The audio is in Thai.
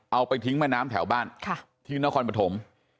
เอาไปทิ้งแม่น้ำแถวบ้านที่นครปฐม